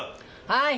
はい。